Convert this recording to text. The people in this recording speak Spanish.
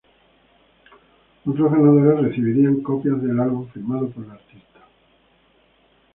Otros ganadores recibirían copias del álbum firmado por la artista.